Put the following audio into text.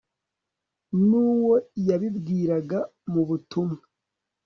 n'uwo yabibwiraga mu butumwa